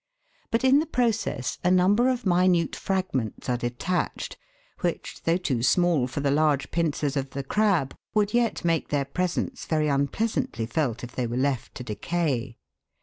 But in the process, a number of minute frag ments are detached, which, though too small for the large pincers of the crab, would yet make their presence very unpleasantly felt if they were left to decay.